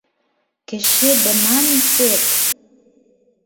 Кеше бына нисек!..